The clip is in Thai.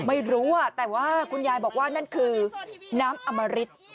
ไม่รู้แต่ว่าคุณยายบอกว่านั่นคือน้ำอมริต